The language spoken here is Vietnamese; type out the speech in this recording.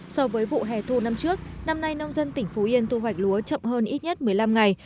so với vụ hè thu năm trước năm nay nông dân tỉnh phú yên thu hoạch lúa chậm hơn ít nhất một mươi năm ngày